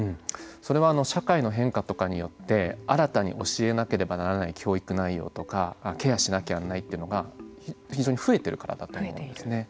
それは社会の変化とかによって新たに教えなければならない教育内容とかケアしなければいけないというのが非常に増えているからだと思うんですね。